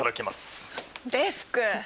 デスク！